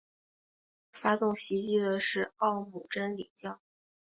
发动袭击的是奥姆真理教。